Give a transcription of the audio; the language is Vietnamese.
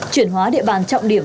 chuyển hóa địa bàn trọng điểm